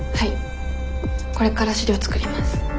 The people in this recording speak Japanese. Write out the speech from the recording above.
これから資料作ります。